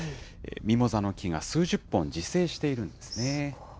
ミモザの木が数十本自生しているんですね。